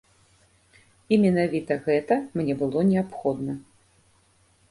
І менавіта гэта мне было неабходна.